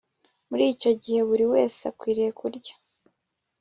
Muri icyo gihe buri wese akwiriye kurya